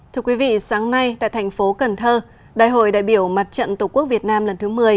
thưa quý vị sáng nay tại thành phố cần thơ đại hội đại biểu mặt trận tổ quốc việt nam lần thứ một mươi